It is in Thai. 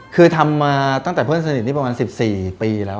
คือทำมาตั้งแต่เพื่อนสนิทนี่ประมาณ๑๔ปีแล้ว